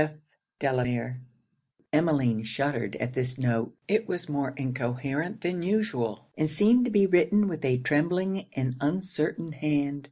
F. DELAMERE.' Emmeline shuddered at this note. It was more incoherent than usual, and seemed to be written with a trembling and uncertain hand.